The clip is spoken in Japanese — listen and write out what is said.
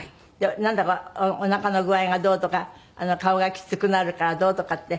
なんだかおなかの具合がどうとか顔がきつくなるからどうとかって。